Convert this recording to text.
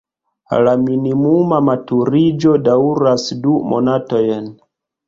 La minimuma maturiĝo daŭras du monatojn.